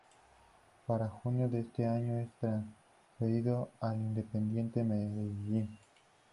Para Junio de ese año es transferido al Independiente Medellín.